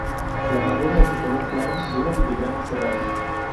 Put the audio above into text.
La madera es de color claro, dura y de grano cerrado.